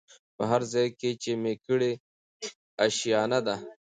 په هرځای کي چي مي کړې آشیانه ده